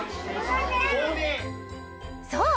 そう！